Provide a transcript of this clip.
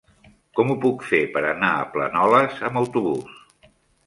Com ho puc fer per anar a Planoles amb autobús?